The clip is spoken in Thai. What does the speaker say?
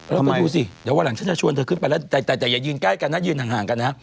แล้วคุณดูสิเดี๋ยววันหลังฉันจะชวนเธอขึ้นไปแล้วแต่อย่ายืนใกล้กันนะยืนห่างกันนะ